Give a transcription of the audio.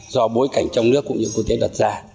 do bối cảnh trong nước cũng như quốc tế đặt ra